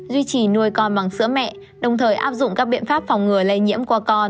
duy trì nuôi con bằng sữa mẹ đồng thời áp dụng các biện pháp phòng ngừa lây nhiễm qua con